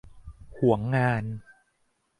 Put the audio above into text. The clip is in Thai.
หวงงาน